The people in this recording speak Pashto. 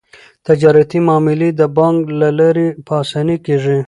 تجارتي معاملې د بانک له لارې په اسانۍ کیږي.